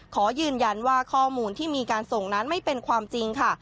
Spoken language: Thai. ขอยืนยันว่าข้อมูลที่มีการส่งนั้นไม่เป็นความจริงค่ะ